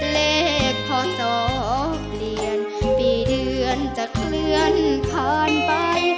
เลขพศเปลี่ยนปีเดือนจะเคลื่อนผ่านไป